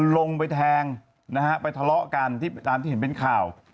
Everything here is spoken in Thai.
ลงไปแทงนะฮะไปทะเลาะกันที่ตามที่เห็นเป็นข่าว